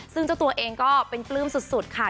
ซึ่งเจ้าตัวเองก็เป็นปลื้มสุดค่ะ